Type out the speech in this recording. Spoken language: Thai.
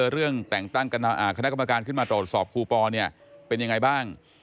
เรื่องแต่งตั้งคณะกรรมการขึ้นมาตรวจสอบครูปอเนี่ยเป็นยังไงบ้าง